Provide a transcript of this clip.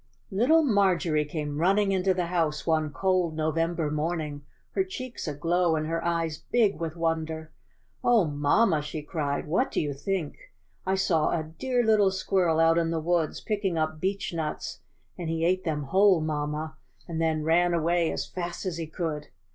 Little Marjorie came running into the house one cold November morning, her cheeks aglow and her eyes big with wonder. '^Oh, mamma!" she cried, "what do you think? I saw a dear little squirrel out in the woods picking up beechnuts, and he ate them whole, mamma, and then ran away as fast as he could.